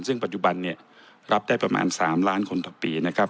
ซึ่งปัจจุบันเนี่ยรับได้ประมาณ๓ล้านคนต่อปีนะครับ